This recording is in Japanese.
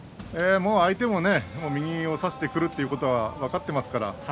相手も右を差してくるということは分かっていますから